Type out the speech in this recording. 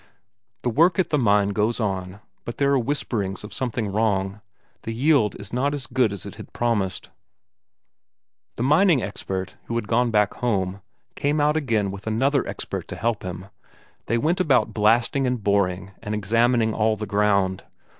The work at the mine goes on, but there are whisperings of something wrong, the yield is not as good as it had promised. The mining expert, who had gone back home, came out again with another expert to help him; they went about blasting and boring and examining all the ground.